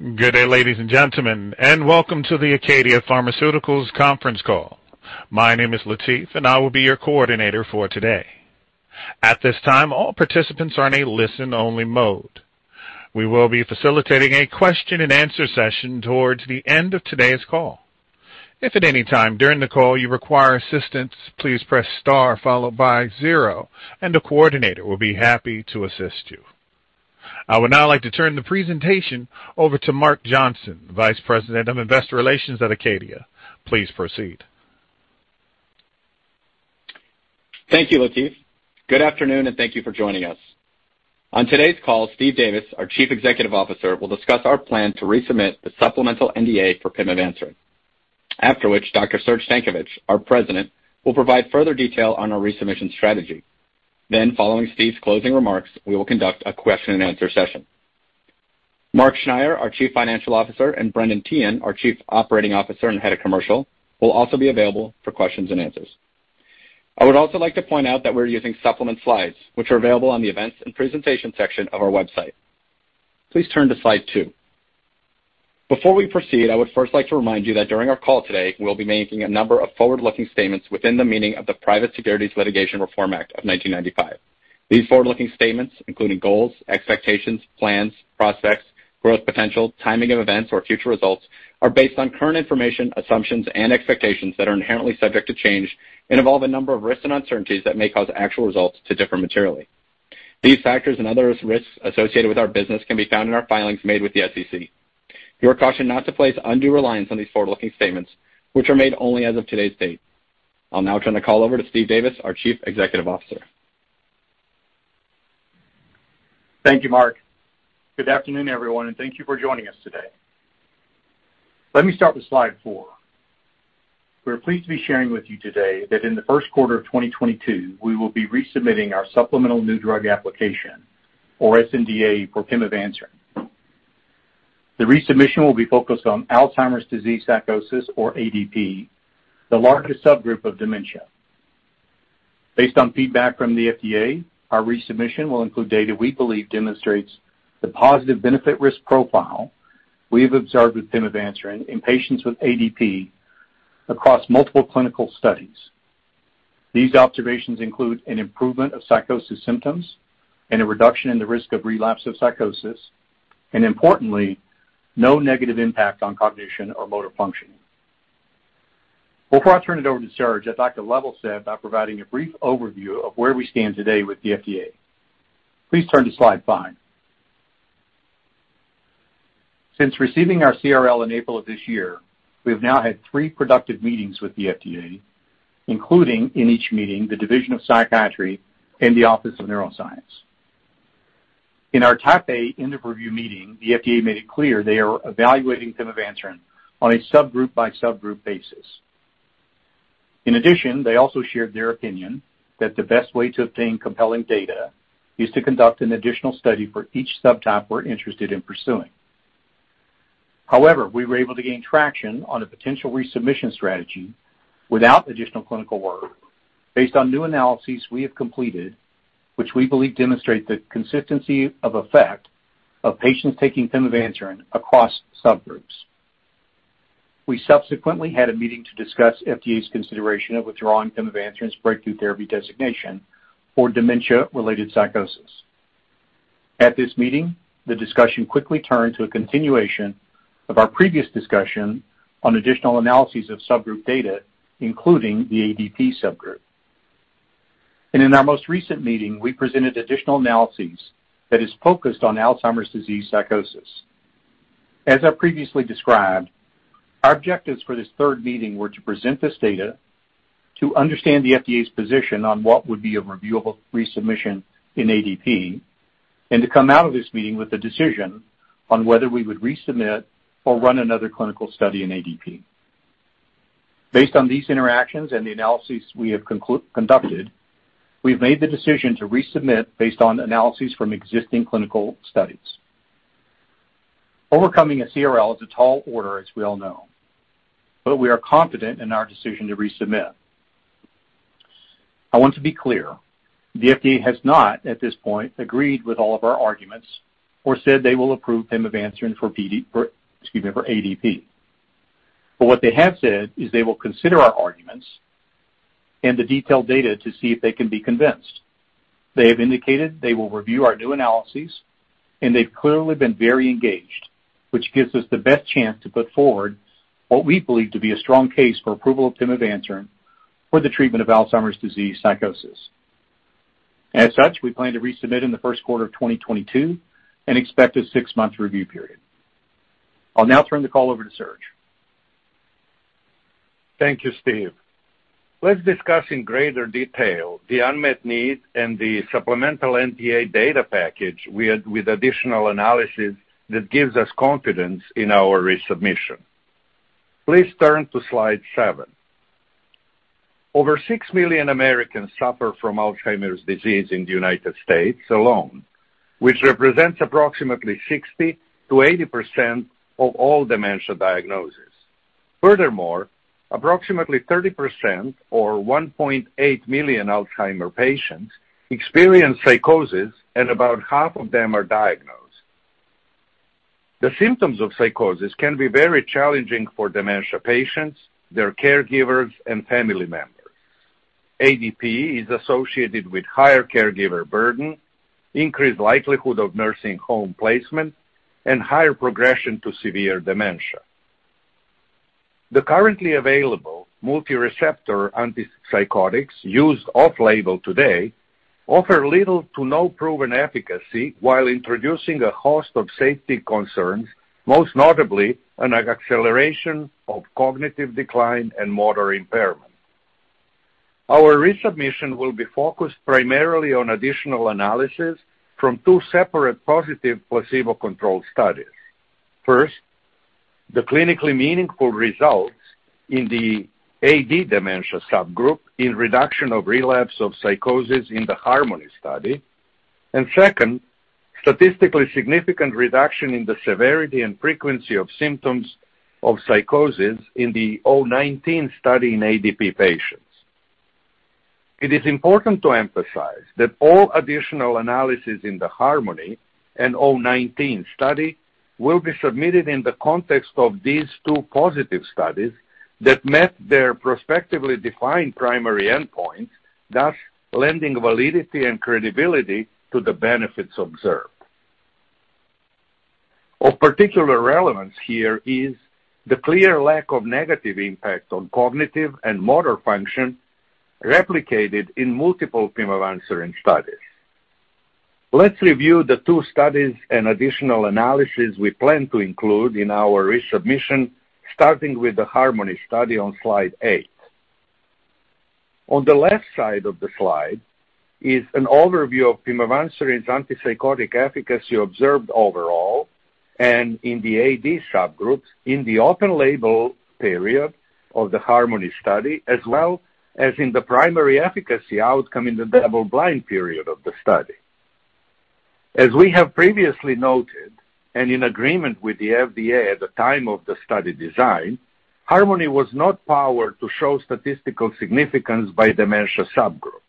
Good day, ladies and gentlemen, and welcome to the ACADIA Pharmaceuticals conference call. My name is Latif, and I will be your coordinator for today. At this time, all participants are in a listen-only mode. We will be facilitating a question-and-answer session towards the end of today's call. If at any time during the call you require assistance, please press star followed by zero, and the coordinator will be happy to assist you. I would now like to turn the presentation over to Mark Johnson, Vice President of Investor Relations at ACADIA. Please proceed. Thank you, Latif. Good afternoon, and thank you for joining us. On today's call, Steve Davis, our Chief Executive Officer, will discuss our plan to resubmit the supplemental NDA for pimavanserin. After which, Dr. Serge Stankovic, our president, will provide further detail on our resubmission strategy. Following Steve's closing remarks, we will conduct a question and answer session. Mark Schneyer, our Chief Financial Officer, and Brendan Teehan, our Chief Operating Officer and Head of Commercial, will also be available for questions and answers. I would also like to point out that we're using supplemental slides, which are available on the events and presentation section of our website. Please turn to slide two. Before we proceed, I would first like to remind you that during our call today, we'll be making a number of forward-looking statements within the meaning of the Private Securities Litigation Reform Act of 1995. These forward-looking statements, including goals, expectations, plans, prospects, growth potential, timing of events or future results are based on current information, assumptions and expectations that are inherently subject to change and involve a number of risks and uncertainties that may cause actual results to differ materially. These factors and other risks associated with our business can be found in our filings made with the SEC. You are cautioned not to place undue reliance on these forward-looking statements, which are made only as of today's date. I'll now turn the call over to Steve Davis, our Chief Executive Officer. Thank you, Mark. Good afternoon, everyone, and thank you for joining us today. Let me start with slide four. We are pleased to be sharing with you today that in the first quarter of 2022, we will be resubmitting our supplemental new drug application or sNDA for pimavanserin. The resubmission will be focused on Alzheimer's disease psychosis or ADP, the largest subgroup of dementia. Based on feedback from the FDA, our resubmission will include data we believe demonstrates the positive benefit risk profile we have observed with pimavanserin in patients with ADP across multiple clinical studies. These observations include an improvement of psychosis symptoms and a reduction in the risk of relapse of psychosis, and importantly, no negative impact on cognition or motor function. Before I turn it over to Serge, I'd like to level set by providing a brief overview of where we stand today with the FDA. Please turn to slide five. Since receiving our CRL in April of this year, we have now had three productive meetings with the FDA, including in each meeting the Division of Psychiatry and the Office of Neuroscience. In our Type A end of review meeting, the FDA made it clear they are evaluating pimavanserin on a subgroup by subgroup basis. In addition, they also shared their opinion that the best way to obtain compelling data is to conduct an additional study for each subtype we're interested in pursuing. However, we were able to gain traction on a potential resubmission strategy without additional clinical work based on new analyses we have completed, which we believe demonstrate the consistency of effect of patients taking pimavanserin across subgroups. We subsequently had a meeting to discuss FDA's consideration of withdrawing pimavanserin's Breakthrough Therapy Designation for dementia-related psychosis. At this meeting, the discussion quickly turned to a continuation of our previous discussion on additional analyses of subgroup data, including the ADP subgroup. In our most recent meeting, we presented additional analyses that is focused on Alzheimer's disease psychosis. As I previously described, our objectives for this third meeting were to present this data, to understand the FDA's position on what would be a reviewable resubmission in ADP, and to come out of this meeting with a decision on whether we would resubmit or run another clinical study in ADP. Based on these interactions and the analyses we have conducted, we've made the decision to resubmit based on analyses from existing clinical studies. Overcoming a CRL is a tall order, as we all know, but we are confident in our decision to resubmit. I want to be clear. The FDA has not, at this point, agreed with all of our arguments or said they will approve pimavanserin for ADP. What they have said is they will consider our arguments and the detailed data to see if they can be convinced. They have indicated they will review our new analyses, and they've clearly been very engaged, which gives us the best chance to put forward what we believe to be a strong case for approval of pimavanserin for the treatment of Alzheimer's disease psychosis. As such, we plan to resubmit in the first quarter of 2022 and expect a six-month review period. I'll now turn the call over to Serge. Thank you, Steve. Let's discuss in greater detail the unmet need and the supplemental NDA data package with additional analysis that gives us confidence in our resubmission. Please turn to slide seven. Over 6 million Americans suffer from Alzheimer's disease in the United States alone, which represents approximately 60%-80% of all dementia diagnoses. Furthermore, approximately 30% or 1.8 million Alzheimer's patients experience psychosis, and about half of them are diagnosed. The symptoms of psychosis can be very challenging for dementia patients, their caregivers and family members. ADP is associated with higher caregiver burden, increased likelihood of nursing home placement, and higher progression to severe dementia. The currently available multireceptor antipsychotics used off-label today offer little to no proven efficacy while introducing a host of safety concerns, most notably an acceleration of cognitive decline and motor impairment. Our resubmission will be focused primarily on additional analysis from two separate positive placebo-controlled studies. First, the clinically meaningful results in the AD dementia subgroup in reduction of relapse of psychosis in the HARMONY study, and second, statistically significant reduction in the severity and frequency of symptoms of psychosis in the 019 study in ADP patients. It is important to emphasize that all additional analysis in the HARMONY and 019 study will be submitted in the context of these two positive studies that met their prospectively defined primary endpoint, thus lending validity and credibility to the benefits observed. Of particular relevance here is the clear lack of negative impact on cognitive and motor function replicated in multiple pimavanserin studies. Let's review the two studies and additional analysis we plan to include in our resubmission, starting with the HARMONY study on slide eight. On the left side of the slide is an overview of pimavanserin's antipsychotic efficacy observed overall and in the AD subgroups in the open label period of the HARMONY study, as well as in the primary efficacy outcome in the double-blind period of the study. We have previously noted, in agreement with the FDA at the time of the study design, HARMONY was not powered to show statistical significance by dementia subgroup.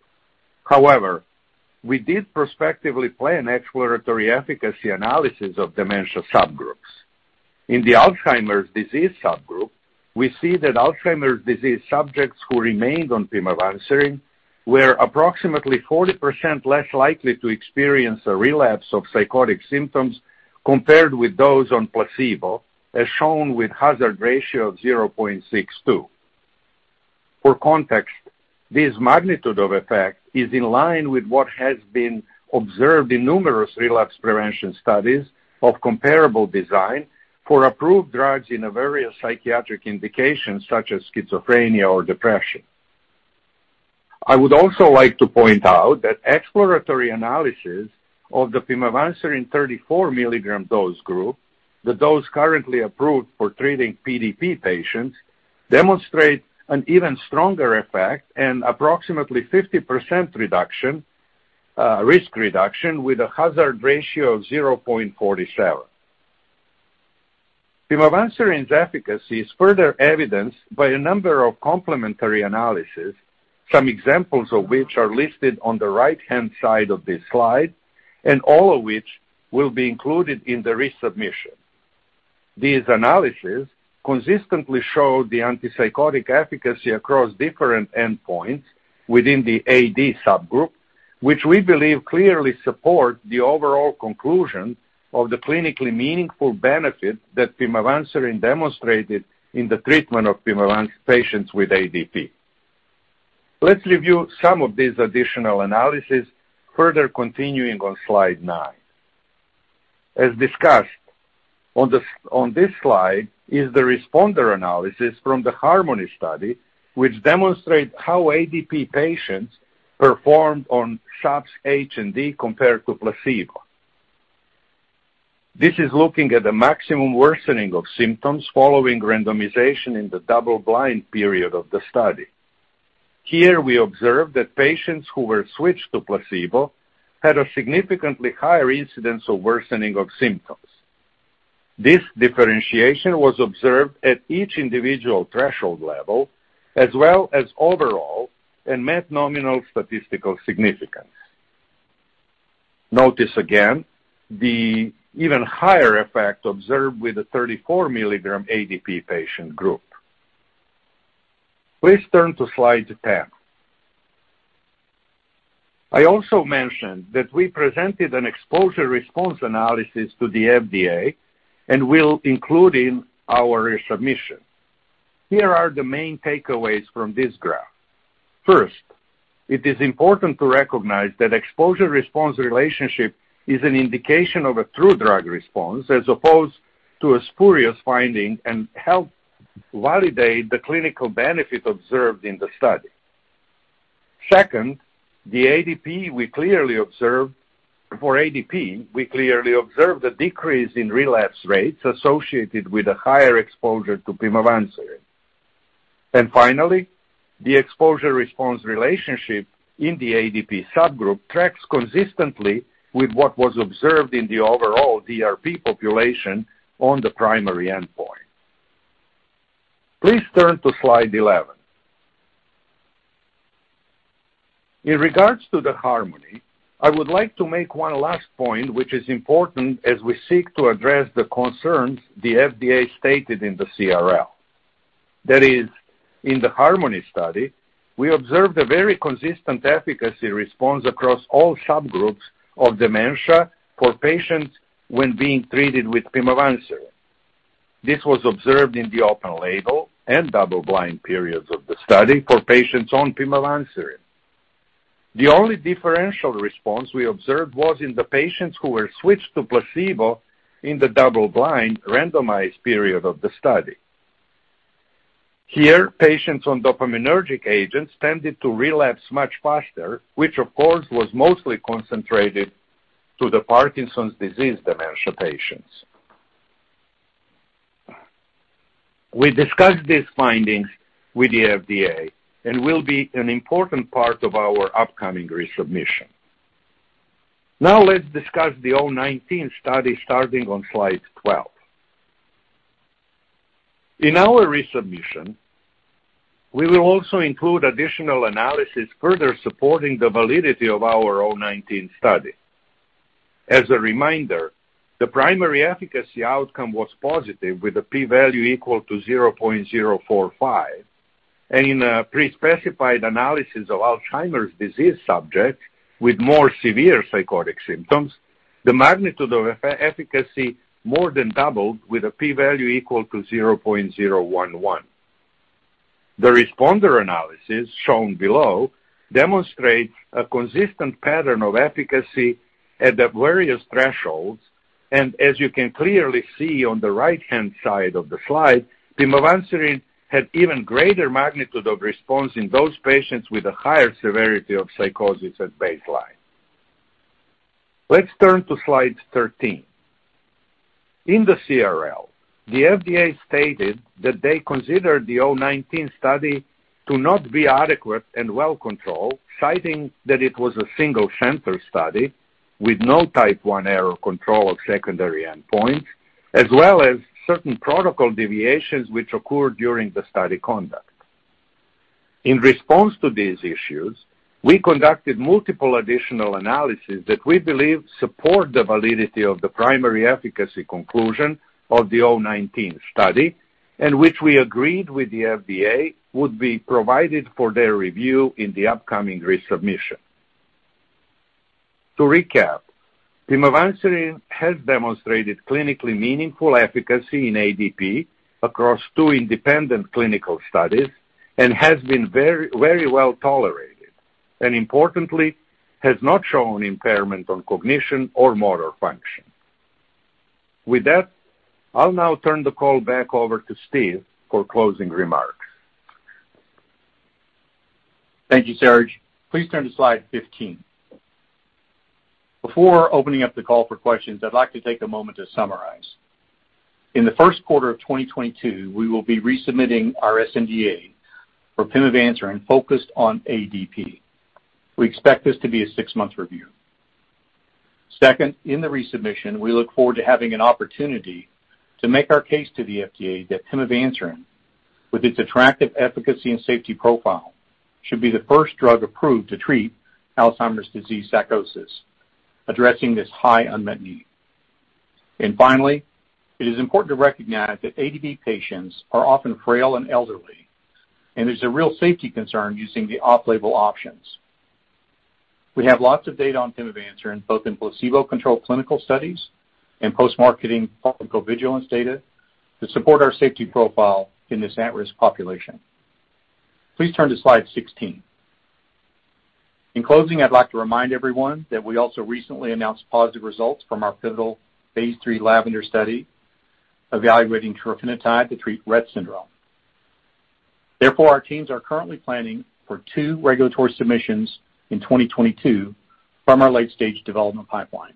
We did prospectively plan exploratory efficacy analysis of dementia subgroups. In the Alzheimer's disease subgroup, we see that Alzheimer's disease subjects who remained on pimavanserin were approximately 40% less likely to experience a relapse of psychotic symptoms compared with those on placebo, as shown with hazard ratio of 0.62. For context, this magnitude of effect is in line with what has been observed in numerous relapse prevention studies of comparable design for approved drugs in various psychiatric indications such as schizophrenia or depression. I would also like to point out that exploratory analysis of the pimavanserin 34 mg dose group, the dose currently approved for treating PDP patients, demonstrate an even stronger effect and approximately 50% reduction, risk reduction with a hazard ratio of 0.47. Pimavanserin's efficacy is further evidenced by a number of complementary analysis, some examples of which are listed on the right-hand side of this slide, and all of which will be included in the resubmission. These analyses consistently show the antipsychotic efficacy across different endpoints within the AD subgroup, which we believe clearly support the overall conclusion of the clinically meaningful benefit that pimavanserin demonstrated in the treatment of pimavanserin patients with ADP. Let's review some of these additional analyses further continuing on slide 9. As discussed on this slide is the responder analysis from the HARMONY study, which demonstrate how ADP patients performed on SAPS-H+D compared to placebo. This is looking at the maximum worsening of symptoms following randomization in the double-blind period of the study. Here we observe that patients who were switched to placebo had a significantly higher incidence of worsening of symptoms. This differentiation was observed at each individual threshold level as well as overall and met nominal statistical significance. Notice again the even higher effect observed with the 34 mg ADP patient group. Please turn to slide 10. I also mentioned that we presented an exposure-response analysis to the FDA and will include in our resubmission. Here are the main takeaways from this graph. First, it is important to recognize that exposure-response relationship is an indication of a true drug response as opposed to a spurious finding and help validate the clinical benefit observed in the study. Second, for ADP, we clearly observed a decrease in relapse rates associated with a higher exposure to pimavanserin. Finally, the exposure-response relationship in the ADP subgroup tracks consistently with what was observed in the overall DRP population on the primary endpoint. Please turn to slide 11. In regard to the HARMONY, I would like to make one last point, which is important as we seek to address the concerns the FDA stated in the CRL. That is, in the HARMONY study, we observed a very consistent efficacy response across all subgroups of dementia for patients when being treated with pimavanserin. This was observed in the open label and double-blind periods of the study for patients on pimavanserin. The only differential response we observed was in the patients who were switched to placebo in the double-blind randomized period of the study. Here, patients on dopaminergic agents tended to relapse much faster, which of course was mostly concentrated to the Parkinson's disease dementia patients. We discussed these findings with the FDA and will be an important part of our upcoming resubmission. Now let's discuss the 019 study starting on slide 12. In our resubmission, we will also include additional analysis further supporting the validity of our 019 study. As a reminder, the primary efficacy outcome was positive with a P value equal to 0.045. In a pre-specified analysis of Alzheimer's disease subjects with more severe psychotic symptoms, the magnitude of efficacy more than doubled with a P value equal to 0.011. The responder analysis shown below demonstrates a consistent pattern of efficacy at the various thresholds. As you can clearly see on the right-hand side of the slide, pimavanserin had even greater magnitude of response in those patients with a higher severity of psychosis at baseline. Let's turn to slide 13. In the CRL, the FDA stated that they considered the 019 study to not be adequate and well controlled, citing that it was a single-center study with no type I error control of secondary endpoint, as well as certain protocol deviations which occurred during the study conduct. In response to these issues, we conducted multiple additional analyses that we believe support the validity of the primary efficacy conclusion of the 019 study and which we agreed with the FDA would be provided for their review in the upcoming resubmission. To recap, pimavanserin has demonstrated clinically meaningful efficacy in ADP across two independent clinical studies and has been very, very well tolerated, and importantly, has not shown impairment on cognition or motor function. With that, I'll now turn the call back over to Steve for closing remarks. Thank you, Serge. Please turn to slide 15. Before opening up the call for questions, I'd like to take a moment to summarize. In the first quarter of 2022, we will be resubmitting our sNDA for pimavanserin focused on ADP. We expect this to be a six-month review. Second, in the resubmission, we look forward to having an opportunity to make our case to the FDA that pimavanserin, with its attractive efficacy and safety profile, should be the first drug approved to treat Alzheimer's disease psychosis, addressing this high unmet need. Finally, it is important to recognize that ADP patients are often frail and elderly, and there's a real safety concern using the off-label options. We have lots of data on pimavanserin, both in placebo-controlled clinical studies and post-marketing pharmacovigilance data to support our safety profile in this at-risk population. Please turn to slide 16. In closing, I'd like to remind everyone that we also recently announced positive results from our pivotal phase III LAVENDER study evaluating trofinetide to treat Rett syndrome. Therefore, our teams are currently planning for two regulatory submissions in 2022 from our late-stage development pipeline.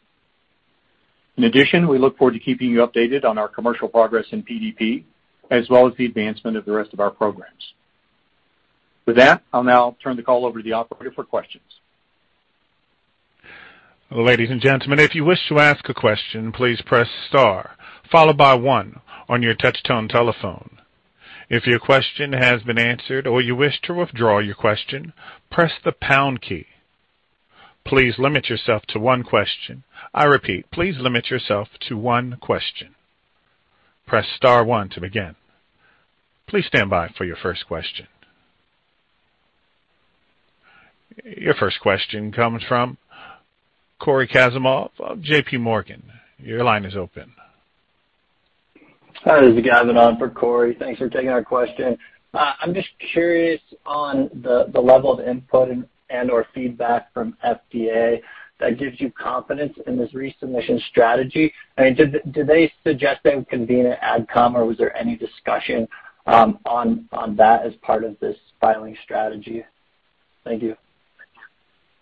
In addition, we look forward to keeping you updated on our commercial progress in PDP, as well as the advancement of the rest of our programs. With that, I'll now turn the call over to the operator for questions. Ladies and gentlemen, if you wish to ask a question, please press star followed by one on your touch-tone telephone. If your question has been answered or you wish to withdraw your question, press the pound key. Please limit yourself to one question. I repeat, please limit yourself to one question. Press star one to begin. Please stand by for your first question. Your first question comes from Cory Kasimov of J.P. Morgan. Your line is open. Hi, this is Gavin on for Cory. Thanks for taking our question. I'm just curious on the level of input and/or feedback from FDA that gives you confidence in this resubmission strategy. I mean, did they suggest they would convene an ad com, or was there any discussion on that as part of this filing strategy? Thank you.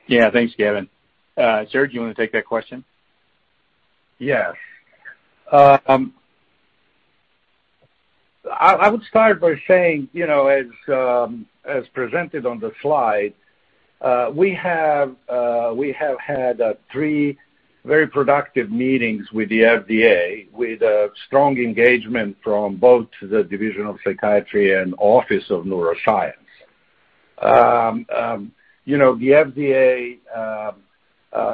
Yeah. Thanks, Gavin. Serge, you wanna take that question? Yes. I would start by saying, you know, as presented on the slide, we have had three very productive meetings with the FDA with a strong engagement from both the Division of Psychiatry and Office of Neuroscience. You know, the FDA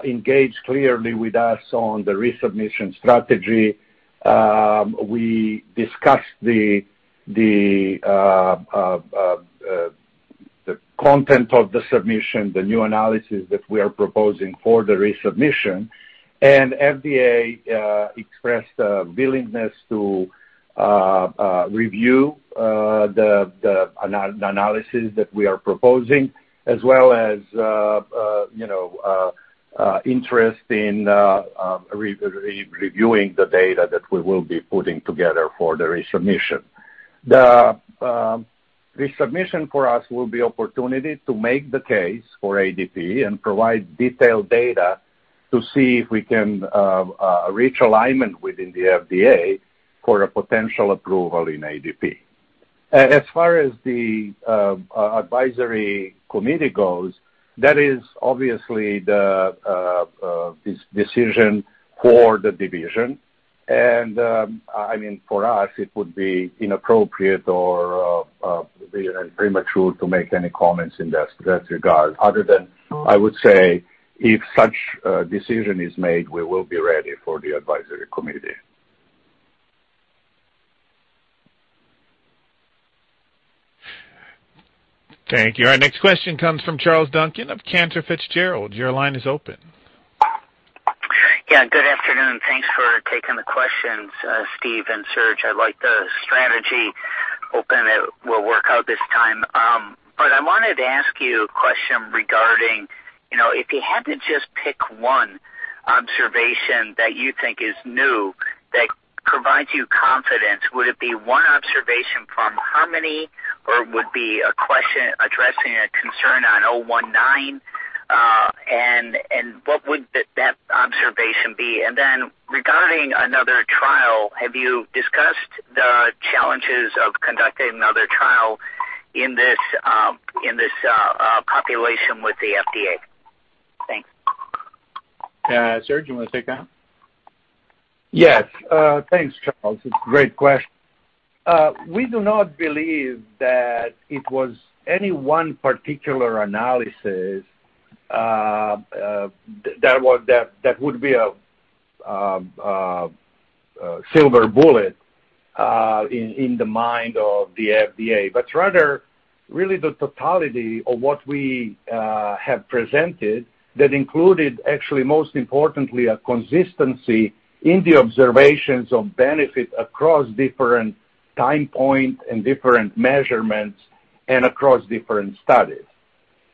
engaged clearly with us on the resubmission strategy. We discussed the content of the submission, the new analysis that we are proposing for the resubmission. FDA expressed a willingness to review the analysis that we are proposing, as well as, you know, interest in reviewing the data that we will be putting together for the resubmission. The resubmission for us will be opportunity to make the case for ADP and provide detailed data to see if we can reach alignment within the FDA for a potential approval in ADP. As far as the advisory committee goes, that is obviously the decision for the division. I mean, for us, it would be inappropriate or premature to make any comments in that regard other than I would say if such a decision is made, we will be ready for the advisory committee. Thank you. Our next question comes from Charles Duncan of Cantor Fitzgerald. Your line is open. Yeah, good afternoon. Thanks for taking the questions, Steve and Serge. I like the strategy. Hoping it will work out this time. I wanted to ask you a question regarding, you know, if you had to just pick one observation that you think is new that provides you confidence, would it be one observation from HARMONY, or would be a question addressing a concern on 019? What would that observation be? Regarding another trial, have you discussed the challenges of conducting another trial in this population with the FDA? Thanks. Serge, you wanna take that? Yes. Thanks, Charles. It's a great question. We do not believe that it was any one particular analysis that would be a silver bullet in the mind of the FDA, but rather really the totality of what we have presented that included actually, most importantly, a consistency in the observations of benefit across different time points and different measurements and across different studies.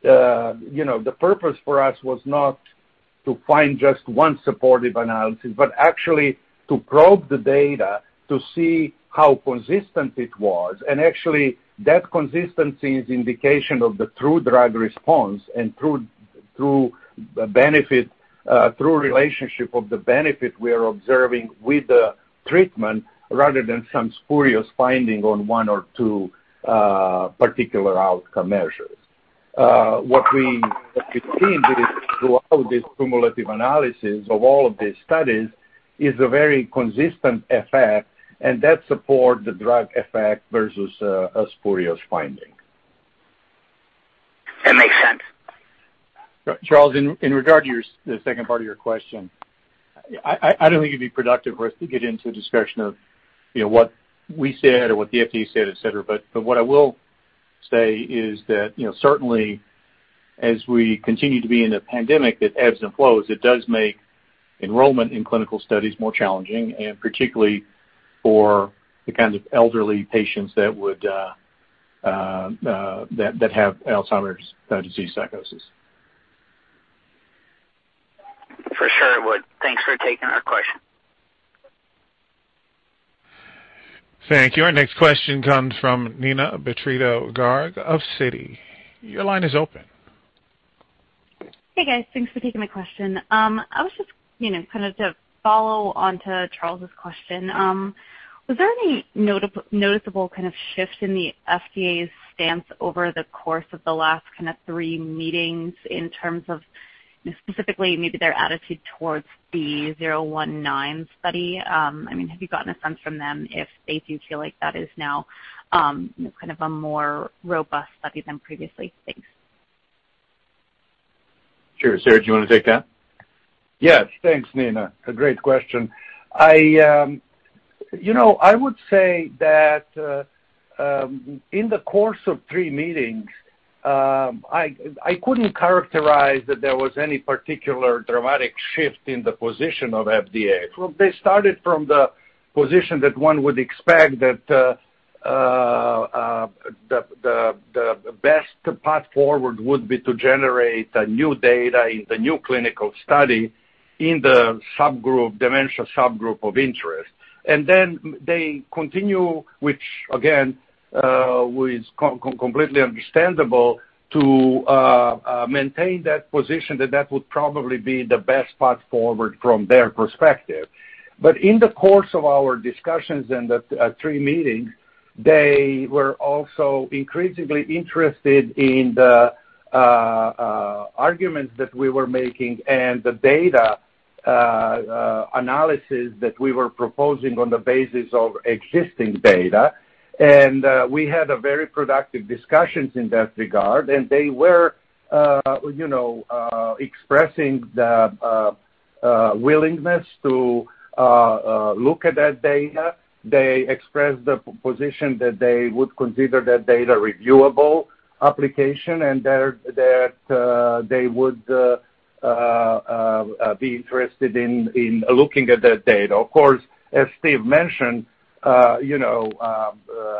You know, the purpose for us was not to find just one supportive analysis, but actually to probe the data to see how consistent it was. Actually, that consistency is indication of the true drug response and true benefit, true relationship of the benefit we are observing with the treatment rather than some spurious finding on one or two particular outcome measures. What we have seen throughout this cumulative analysis of all of these studies is a very consistent effect, and that support the drug effect versus a spurious finding. That makes sense. Charles, in regard to yours, the second part of your question, I don't think it'd be productive for us to get into a discussion of, you know, what we said or what the FDA said, et cetera. What I will say is that, you know, certainly as we continue to be in a pandemic that ebbs and flows, it does make enrollment in clinical studies more challenging, and particularly for the kinds of elderly patients that have Alzheimer's disease psychosis. For sure it would. Thanks for taking our question. Thank you. Our next question comes from Neena Bitritto-Garg of Citi. Your line is open. Hey, guys. Thanks for taking the question. I was just, you know, kind of to follow on to Charles's question. Was there any noticeable kind of shift in the FDA's stance over the course of the last kinda three meetings in terms of specifically maybe their attitude towards the 019 study? I mean, have you gotten a sense from them if they do feel like that is now, you know, kind of a more robust study than previously? Thanks. Sure. Serge, you wanna take that? Yes. Thanks, Neena. A great question. I you know, I would say that in the course of three meetings, I couldn't characterize that there was any particular dramatic shift in the position of FDA. Well, they started from the position that one would expect that the best path forward would be to generate a new data in the new clinical study in the subgroup, dementia subgroup of interest. They continue, which again was completely understandable to maintain that position that would probably be the best path forward from their perspective. In the course of our discussions in the three meetings, they were also increasingly interested in the arguments that we were making and the data analysis that we were proposing on the basis of existing data. We had a very productive discussions in that regard, and they were, you know, expressing the willingness to look at that data. They expressed the position that they would consider that data reviewable application and that they would be interested in looking at that data. Of course, as Steve mentioned, you know,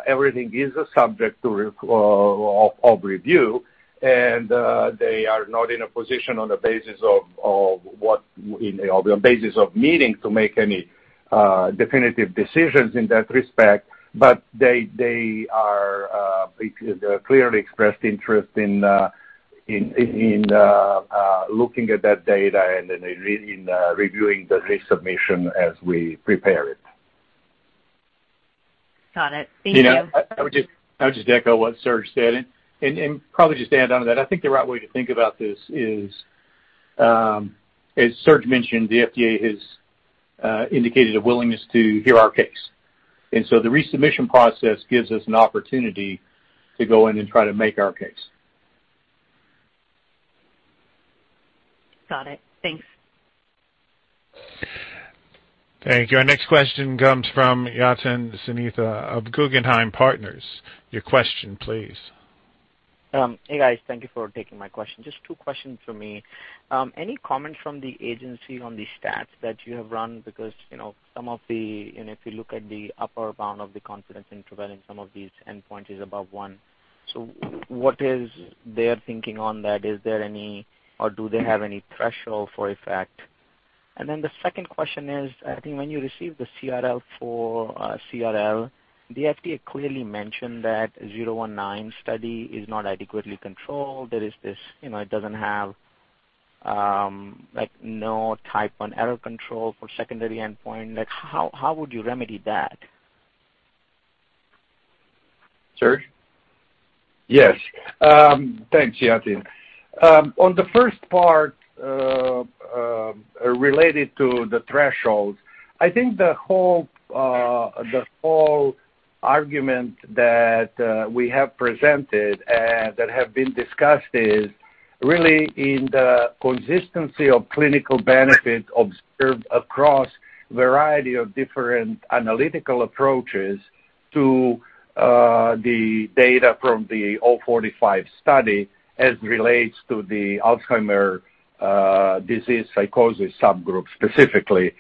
everything is a subject to review, and they are not in a position on the basis of the meeting to make any definitive decisions in that respect. They clearly expressed interest in looking at that data and in reviewing the resubmission as we prepare it. Got it. Thank you. You know, I would just echo what Serge said and probably just add on to that. I think the right way to think about this is, as Serge mentioned, the FDA has indicated a willingness to hear our case. The resubmission process gives us an opportunity to go in and try to make our case. Got it. Thanks. Thank you. Our next question comes from Yatin Suneja of Guggenheim Securities. Your question, please. Hey, guys. Thank you for taking my question. Just two questions from me. Any comments from the agency on the stats that you have run? Because, you know, some of the, you know, if you look at the upper bound of the confidence interval in some of these endpoints is above one. So what is their thinking on that? Is there any or do they have any threshold for effect? And then the second question is, I think when you received the CRL, the FDA clearly mentioned that Study 019 is not adequately controlled. There is this, you know, it doesn't have, like, no type one error control for secondary endpoint. Like how would you remedy that? Serge? Yes. Thanks, Yatin. On the first part related to the threshold, I think the whole argument that we have presented and that have been discussed is really in the consistency of clinical benefit observed across variety of different analytical approaches to the data from the 045 study as relates to the Alzheimer's disease psychosis subgroup specifically.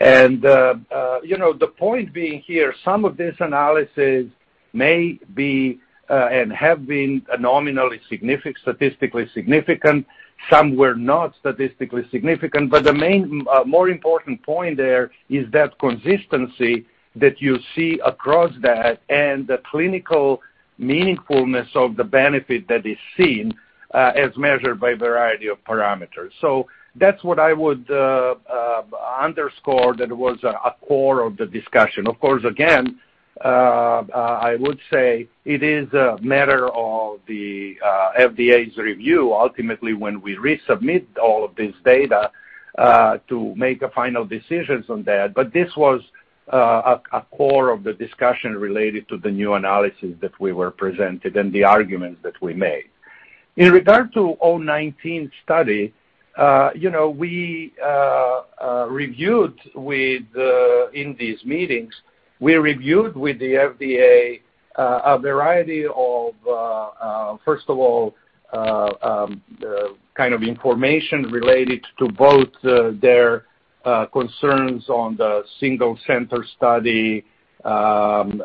You know, the point being here, some of this analysis may be and have been nominally significant, statistically significant. Some were not statistically significant. The main more important point there is that consistency that you see across that and the clinical meaningfulness of the benefit that is seen as measured by a variety of parameters. That's what I would underscore. That was a core of the discussion. Of course, again, I would say it is a matter of the FDA's review ultimately when we resubmit all of this data to make a final decisions on that. This was a core of the discussion related to the new analysis that we were presented and the arguments that we made. In regard to 019 study, you know, in these meetings, we reviewed with the FDA a variety of first of all kind of information related to both their concerns on the single center study and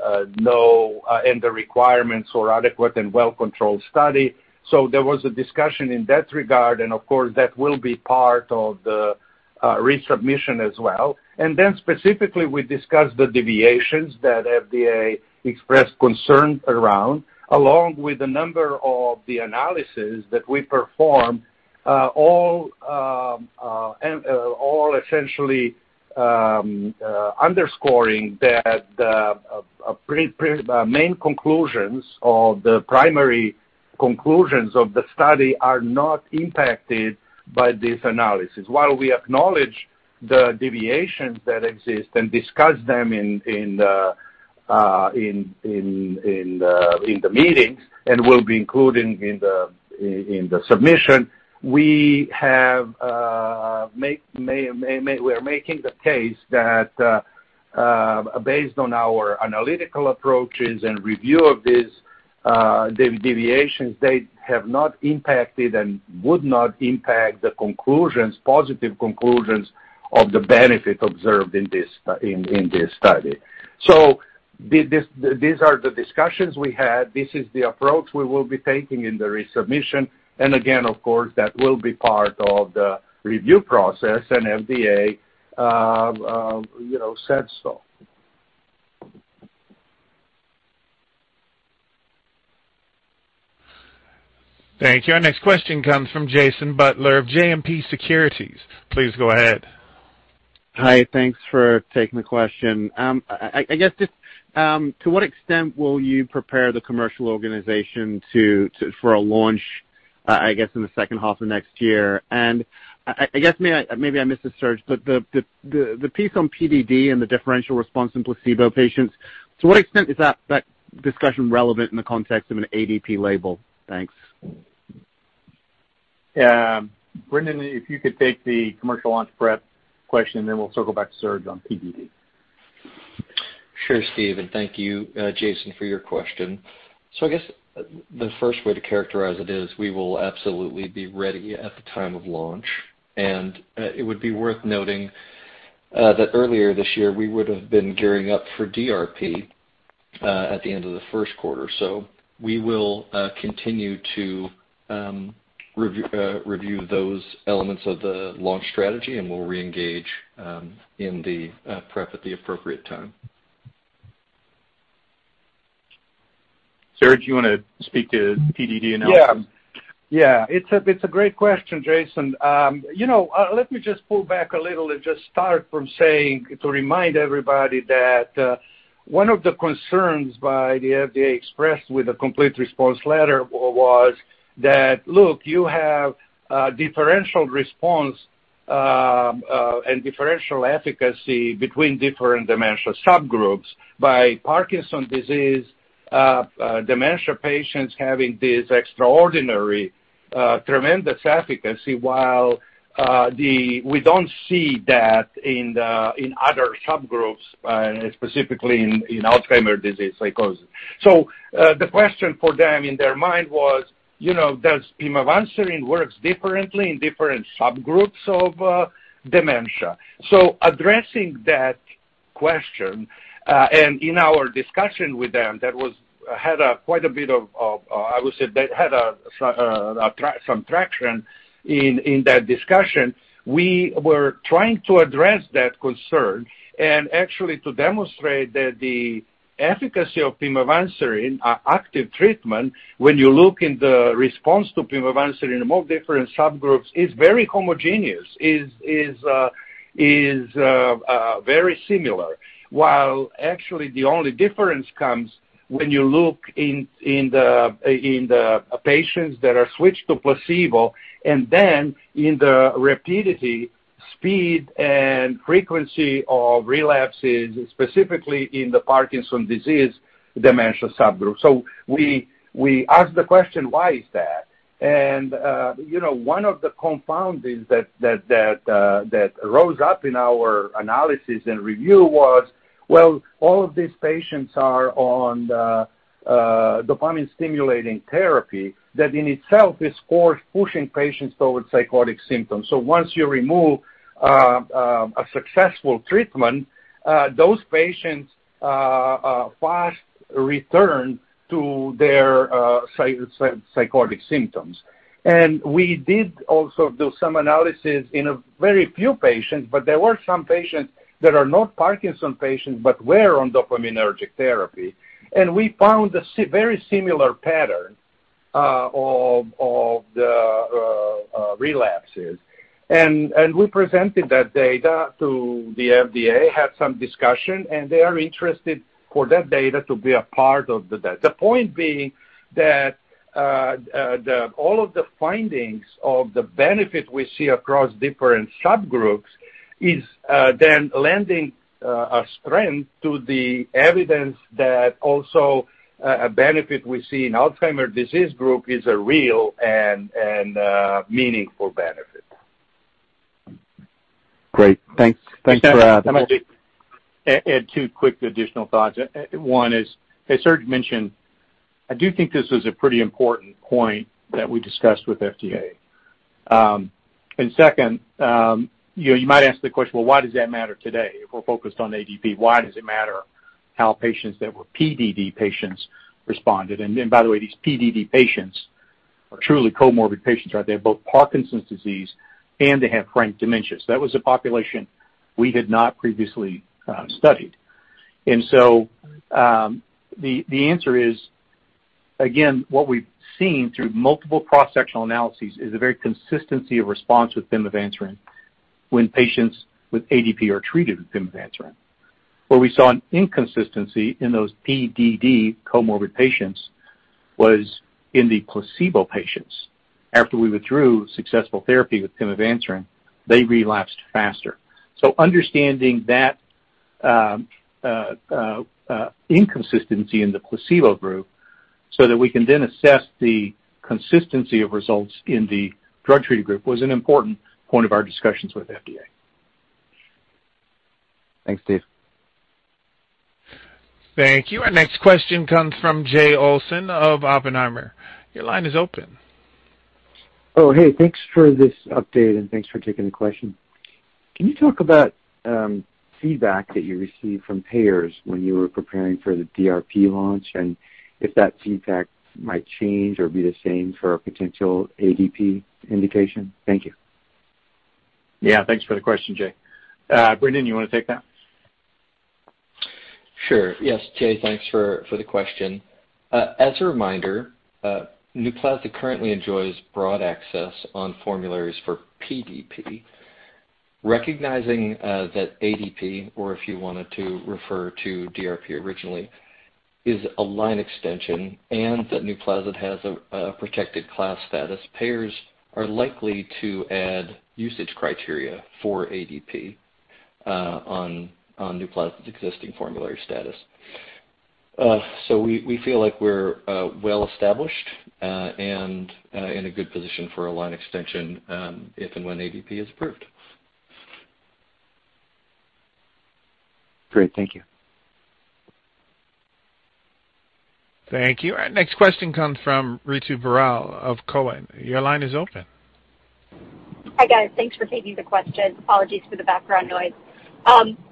the requirements for adequate and well-controlled study. There was a discussion in that regard and of course that will be part of the resubmission as well. Then specifically, we discussed the deviations that FDA expressed concerns around, along with a number of the analysis that we performed, all essentially underscoring that the main conclusions or the primary conclusions of the study are not impacted by this analysis. While we acknowledge the deviations that exist and discuss them in the meetings and will be included in the submission, we are making the case that, based on our analytical approaches and review of these deviations, they have not impacted and would not impact the conclusions, positive conclusions of the benefit observed in this study. These are the discussions we had. This is the approach we will be taking in the resubmission. Again, of course, that will be part of the review process, and FDA, you know, said so. Thank you. Our next question comes from Jason Butler of JMP Securities. Please go ahead. Hi. Thanks for taking the question. I guess to what extent will you prepare the commercial organization to for a launch I guess in the second half of next year? I guess maybe I missed this, Serge, but the piece on PDD and the differential response in placebo patients, to what extent is that discussion relevant in the context of an ADP label? Thanks. Yeah. Brendan, if you could take the commercial launch prep question, and then we'll circle back to Serge on PDD. Sure, Steve. Thank you, Jason, for your question. I guess the first way to characterize it is we will absolutely be ready at the time of launch. It would be worth noting that earlier this year, we would have been gearing up for DRP at the end of the first quarter. We will continue to review those elements of the launch strategy, and we'll reengage in the prep at the appropriate time. Serge, you wanna speak to PDD analysis? It's a great question, Jason. You know, let me just pull back a little and just start from saying to remind everybody that one of the concerns by the FDA expressed with a complete response letter was that, look, you have a differential response and differential efficacy between different dementia subgroups by Parkinson's disease dementia patients having this extraordinary tremendous efficacy, while we don't see that in the other subgroups, specifically in Alzheimer disease psychosis. The question for them in their mind was, does pimavanserin work differently in different subgroups of dementia? So addressing that question and in our discussion with them, that had quite a bit of, I would say that had some traction in that discussion. We were trying to address that concern and actually to demonstrate that the efficacy of pimavanserin, an active treatment, when you look in the response to pimavanserin in more different subgroups, is very homogeneous, very similar. While actually the only difference comes when you look in the patients that are switched to placebo and then in the rapidity, speed, and frequency of relapses, specifically in the Parkinson's disease dementia subgroup. We ask the question, why is that? You know, one of the confoundings that rose up in our analysis and review was, well, all of these patients are on the dopamine-stimulating therapy that in itself is force-pushing patients towards psychotic symptoms. Once you remove a successful treatment, those patients fast return to their psychotic symptoms. We did also do some analysis in a very few patients, but there were some patients that are not Parkinson patients but were on dopaminergic therapy, and we found very similar pattern of the relapses. We presented that data to the FDA, had some discussion, and they are interested for that data to be a part of the data. The point being that the all of the findings of the benefit we see across different subgroups is then lending a strength to the evidence that also a benefit we see in Alzheimer's disease group is a real and meaningful benefit. Great. Thanks. Thanks for that. I'm gonna add two quick additional thoughts. One is, as Serge mentioned, I do think this is a pretty important point that we discussed with FDA. Second, you know, you might ask the question, "Well, why does that matter today? If we're focused on ADP, why does it matter how patients that were PDD patients responded?" Then by the way, these PDD patients are truly comorbid patients, right? They have both Parkinson's disease, and they have frank dementias. That was a population we had not previously studied. The answer is, again, what we've seen through multiple cross-sectional analyses is a very consistent response with pimavanserin when patients with ADP are treated with pimavanserin. Where we saw an inconsistency in those PDD comorbid patients was in the placebo patients. After we withdrew successful therapy with pimavanserin, they relapsed faster. Understanding that inconsistency in the placebo group so that we can then assess the consistency of results in the drug treated group was an important point of our discussions with FDA. Thanks, Steve. Thank you. Our next question comes from Jay Olson of Oppenheimer. Your line is open. Oh, hey, thanks for this update and thanks for taking the question. Can you talk about feedback that you received from payers when you were preparing for the DRP launch and if that feedback might change or be the same for a potential ADP indication? Thank you. Yeah, thanks for the question, Jay. Brendan, you wanna take that? Sure. Yes, Jay, thanks for the question. As a reminder, NUPLAZID currently enjoys broad access on formularies for PDP. Recognizing that ADP, or if you wanted to refer to DRP originally, is a line extension and that NUPLAZID has a protected class status, payers are likely to add usage criteria for ADP on NUPLAZID's existing formulary status. We feel like we're well-established and in a good position for a line extension, if and when ADP is approved. Great. Thank you. Thank you. Our next question comes from Ritu Baral of Cowen. Your line is open. Hi, guys. Thanks for taking the question. Apologies for the background noise.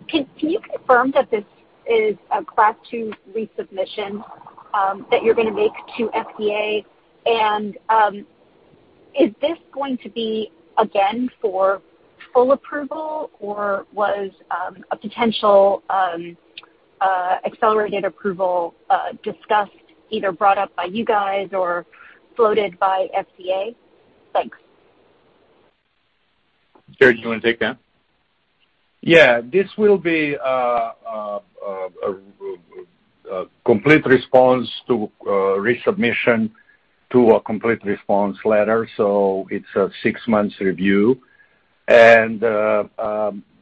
Can you confirm that this is a class 2 resubmission that you're gonna make to FDA? Is this going to be again for full approval or was a potential accelerated approval discussed, either brought up by you guys or floated by FDA? Thanks. Serge, do you wanna take that? Yeah. This will be a complete response resubmission to a complete response letter. It's a six-month review.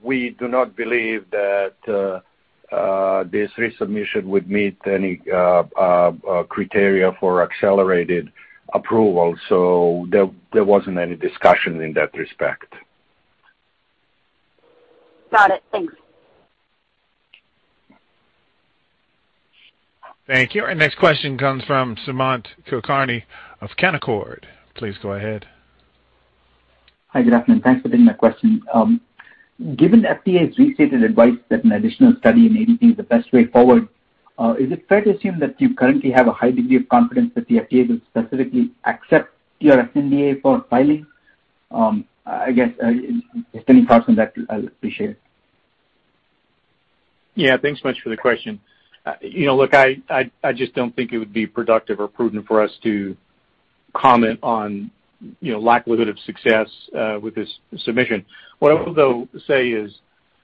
We do not believe that this resubmission would meet any criteria for accelerated approval. There wasn't any discussion in that respect. Got it. Thanks. Thank you. Our next question comes from Sumant Kulkarni of Canaccord. Please go ahead. Hi, good afternoon. Thanks for taking my question. Given FDA's restated advice that an additional study in ADP is the best way forward, is it fair to assume that you currently have a high degree of confidence that the FDA will specifically accept your sNDA for filing? I guess if there's any thoughts on that, I'll appreciate it. Yeah, thanks much for the question. You know, look, I just don't think it would be productive or prudent for us to comment on, you know, likelihood of success with this submission. What I will though say is,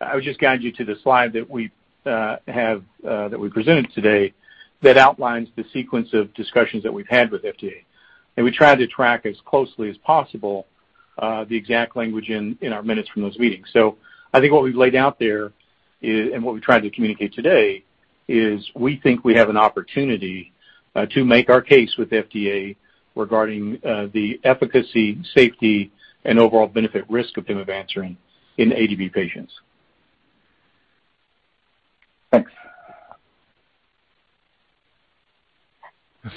I would just guide you to the slide that we have that we presented today that outlines the sequence of discussions that we've had with FDA. We try to track as closely as possible the exact language in our minutes from those meetings. I think what we've laid out there is, and what we've tried to communicate today, is we think we have an opportunity to make our case with FDA regarding the efficacy, safety and overall benefit risk of pimavanserin in AD patients. Thanks.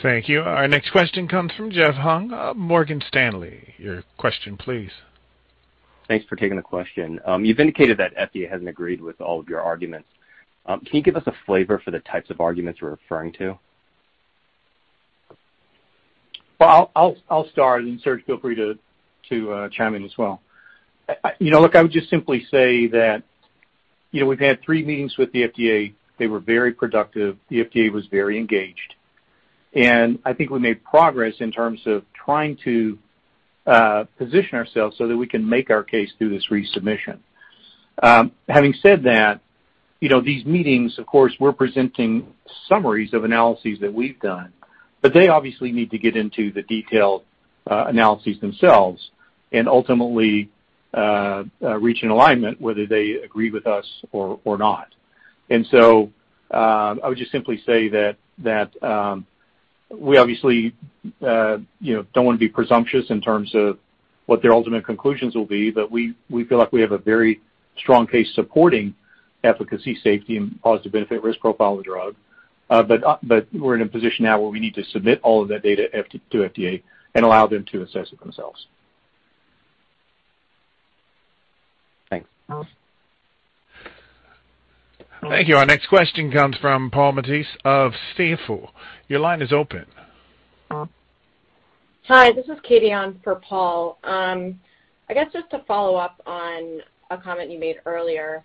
Thank you. Our next question comes from Jeff Hung of Morgan Stanley. Your question please. Thanks for taking the question. You've indicated that FDA hasn't agreed with all of your arguments. Can you give us a flavor for the types of arguments you're referring to? Well, I'll start and Serge, feel free to chime in as well. You know, look, I would just simply say that, you know, we've had three meetings with the FDA. They were very productive. The FDA was very engaged. I think we made progress in terms of trying to position ourselves so that we can make our case through this resubmission. Having said that, you know, these meetings of course we're presenting summaries of analyses that we've done, but they obviously need to get into the detailed analyses themselves and ultimately reach an alignment whether they agree with us or not. I would just simply say that we obviously, you know, don't wanna be presumptuous in terms of what their ultimate conclusions will be, but we feel like we have a very strong case supporting efficacy, safety and positive benefit-risk profile of the drug. We're in a position now where we need to submit all of that data to FDA and allow them to assess it themselves. Thanks. Thank you. Our next question comes from Paul Matteis of Stifel. Your line is open. Hi, this is Katie on for Paul. I guess just to follow up on a comment you made earlier,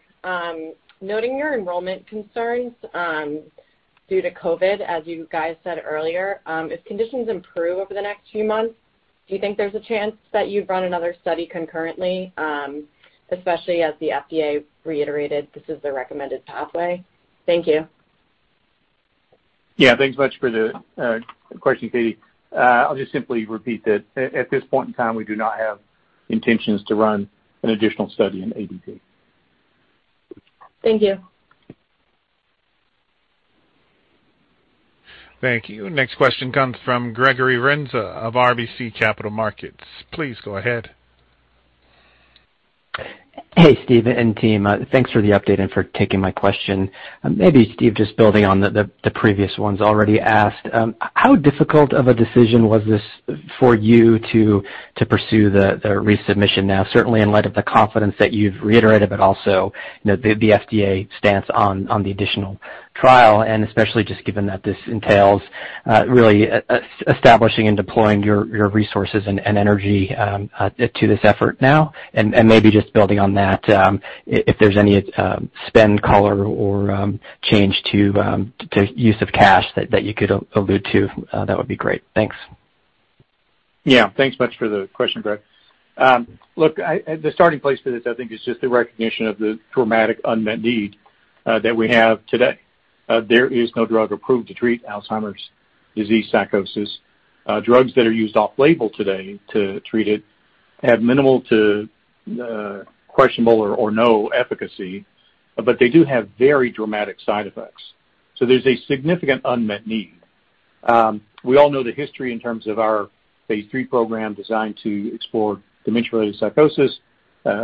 noting your enrollment concerns, due to COVID, as you guys said earlier, if conditions improve over the next few months, do you think there's a chance that you'd run another study concurrently, especially as the FDA reiterated this is the recommended pathway? Thank you. Yeah, thanks much for the question, Katie. I'll just simply repeat that at this point in time, we do not have intentions to run an additional study in ADP. Thank you. Thank you. Next question comes from Gregory Renza of RBC Capital Markets. Please go ahead. Hey, Steve and team. Thanks for the update and for taking my question. Maybe, Steve, just building on the previous ones already asked, how difficult of a decision was this for you to pursue the resubmission now, certainly in light of the confidence that you've reiterated, but also the FDA stance on the additional trial, and especially just given that this entails really establishing and deploying your resources and energy to this effort now? Maybe just building on that, if there's any spend color or change to use of cash that you could allude to, that would be great. Thanks. Yeah. Thanks much for the question, Greg. Look, the starting place for this, I think, is just the recognition of the dramatic unmet need that we have today. There is no drug approved to treat Alzheimer's disease psychosis. Drugs that are used off-label today to treat it have minimal to questionable or no efficacy, but they do have very dramatic side effects. So there's a significant unmet need. We all know the history in terms of our phase III program designed to explore dementia-related psychosis.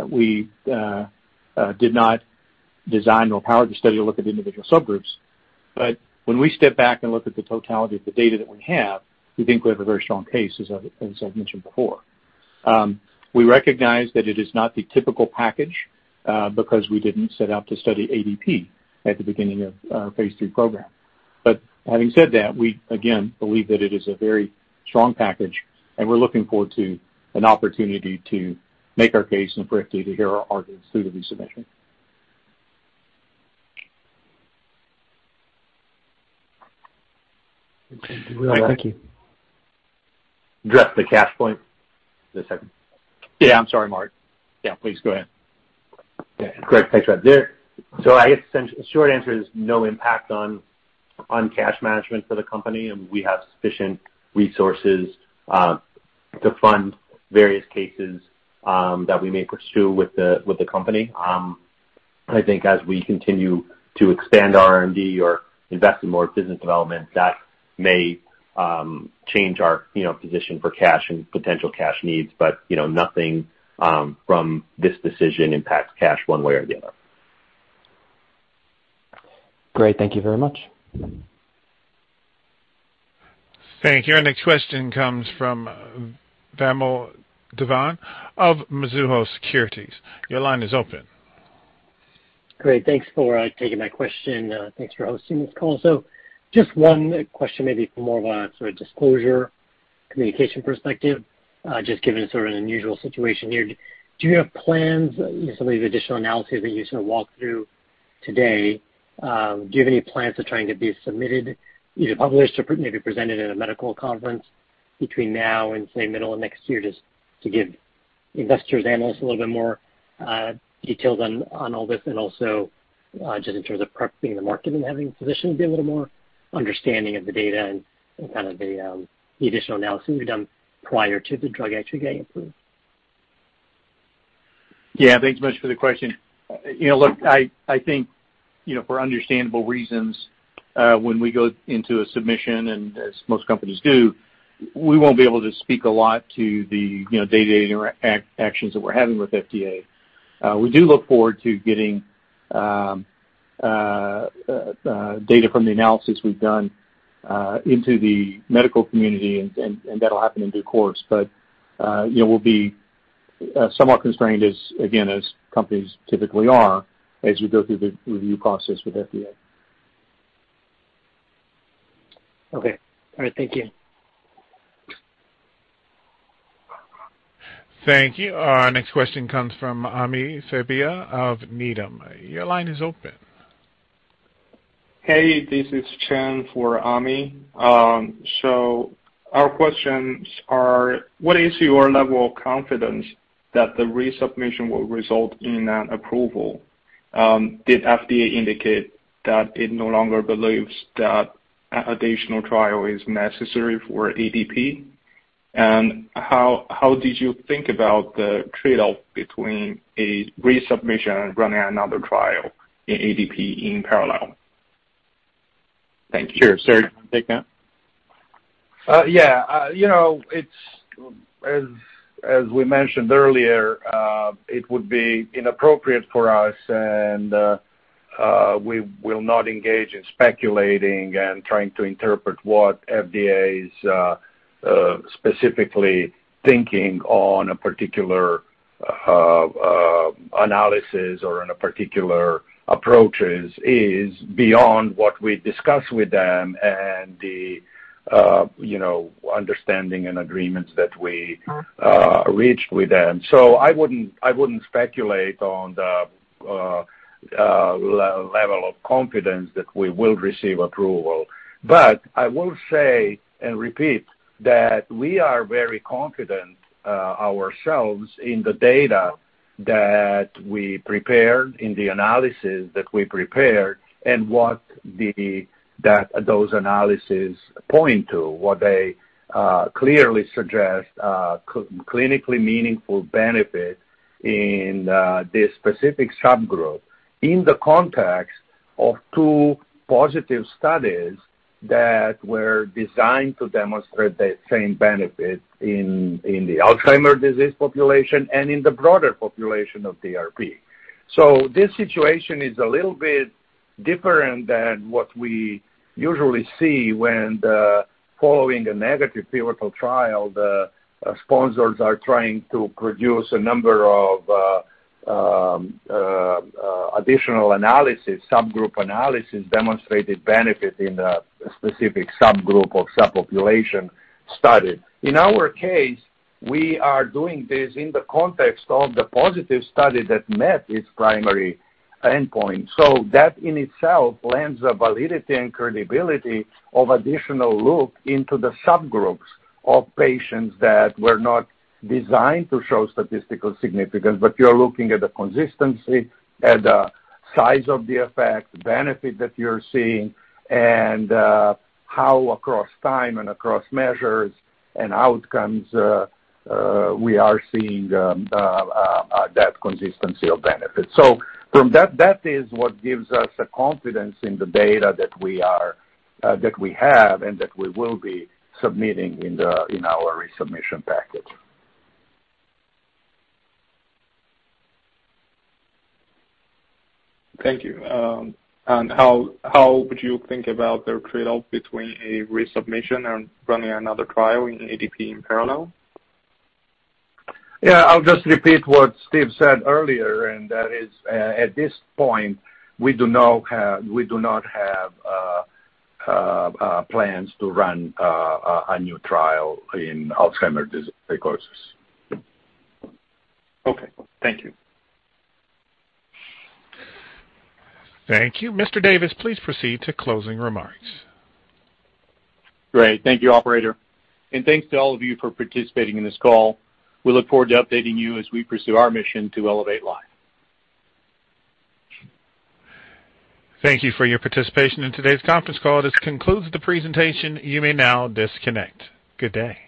We did not design or power the study to look at individual subgroups. When we step back and look at the totality of the data that we have, we think we have a very strong case, as I've mentioned before. We recognize that it is not the typical package, because we didn't set out to study ADP at the beginning of our phase III program. Having said that, we again believe that it is a very strong package, and we're looking forward to an opportunity to make our case and for FDA to hear our arguments through the resubmission. Will, thank you. Address the cash point in a second. Yeah. I'm sorry, Mark. Yeah, please go ahead. Yeah. Great. Thanks, Greg. I guess the short answer is no impact on cash management for the company, and we have sufficient resources to fund various cases that we may pursue with the company. I think as we continue to expand our R&D or invest in more business development, that may change our position for cash and potential cash needs. You know, nothing from this decision impacts cash one way or the other. Great. Thank you very much. Thank you. Our next question comes from Vamil Divan of Mizuho Securities. Your line is open. Great. Thanks for taking my question. Thanks for hosting this call. Just one question, maybe more of a sort of disclosure communication perspective, just given the sort of unusual situation here. Do you have plans, some of the additional analysis that you sort of walked through today, do you have any plans to try and get these submitted, either published or maybe presented at a medical conference between now and, say, middle of next year, just to give investors, analysts a little bit more, details on all this and also, just in terms of prepping the market and having physicians get a little more understanding of the data and kind of the additional analysis you've done prior to the drug actually getting approved? Yeah. Thanks much for the question. You know, look, I think, you know, for understandable reasons, when we go into a submission, and as most companies do, we won't be able to speak a lot to the, you know, day-to-day interactions that we're having with FDA. We do look forward to getting data from the analysis we've done into the medical community, and that'll happen in due course. You know, we'll be somewhat constrained as, again, as companies typically are as we go through the review process with FDA. Okay. All right. Thank you. Thank you. Our next question comes from Ami Fadia of Needham. Your line is open. Hey, this is Chen for Ami. Our questions are, what is your level of confidence that the resubmission will result in an approval? Did FDA indicate that it no longer believes that additional trial is necessary for ADP? How did you think about the trade-off between a resubmission and running another trial in ADP in parallel? Thank you. Sure. Serge, do you want to take that? Yeah. You know, it's as we mentioned earlier, it would be inappropriate for us, and we will not engage in speculating and trying to interpret what FDA is specifically thinking on a particular analysis or on a particular approaches is beyond what we discuss with them and the you know understanding and agreements that we reached with them. So I wouldn't speculate on the level of confidence that we will receive approval. I will say and repeat that we are very confident ourselves in the data that we prepared, in the analysis that we prepared, and that those analysis point to, what they clearly suggest, clinically meaningful benefit in this specific subgroup in the context of two positive studies that were designed to demonstrate the same benefit in the Alzheimer's disease population and in the broader population of DRP. This situation is a little bit different than what we usually see following a negative pivotal trial. The sponsors are trying to produce a number of additional analysis, subgroup analysis, demonstrated benefit in a specific subgroup or subpopulation study. In our case, we are doing this in the context of the positive study that met its primary endpoint. That in itself lends a validity and credibility of additional look into the subgroups of patients that were not designed to show statistical significance. You're looking at the consistency, at the size of the effect, the benefit that you're seeing, and how across time and across measures and outcomes, we are seeing that consistency of benefit. From that is what gives us the confidence in the data that we have and that we will be submitting in our resubmission package. Thank you. How would you think about the tradeoff between a resubmission and running another trial in ADP in parallel? Yeah. I'll just repeat what Steve said earlier, and that is, at this point, we do not have plans to run a new trial in Alzheimer's disease psychosis. Okay. Thank you. Thank you. Mr. Davis, please proceed to closing remarks. Great. Thank you, operator. Thanks to all of you for participating in this call. We look forward to updating you as we pursue our mission to elevate life. Thank you for your participation in today's conference call. This concludes the presentation. You may now disconnect. Good day.